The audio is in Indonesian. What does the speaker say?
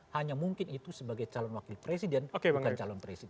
hanya mungkin itu sebagai calon wakil presiden bukan calon presiden